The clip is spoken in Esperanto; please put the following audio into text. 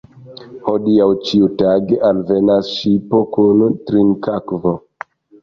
Hodiaŭ ĉiutage alvenas ŝipo kun trinkakvo.